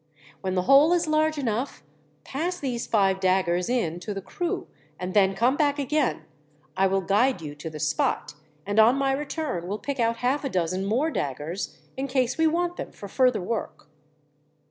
"When the hole is large enough, pass these five daggers in to the crew, and then come back again. I will guide you to the spot, and on my return will pick out half a dozen more daggers, in case we want them for further work."